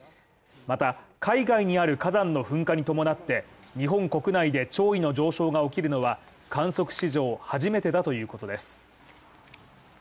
また、海外にある火山の噴火に伴って、日本国内で潮位の上昇が起きるのは観測史上初めてだということです。